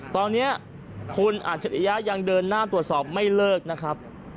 ตอนนี้คุณอัจฉริยะยังเดินหน้าตรวจสอบไม่เลิกนะครับ